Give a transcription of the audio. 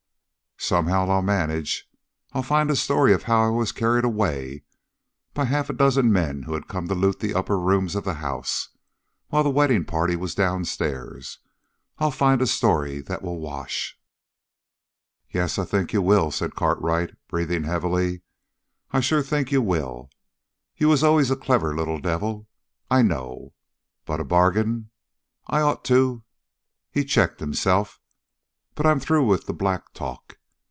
"Somehow I'll manage. I'll find a story of how I was carried away by half a dozen men who had come to loot the upper rooms of the house, while the wedding party was downstairs. I'll find a story that will wash." "Yes, I think you will," said Cartwright, breathing heavily. "I sure think you will. You was always a clever little devil, I know! But a bargain! I'd ought to " He checked himself. "But I'm through with the black talk.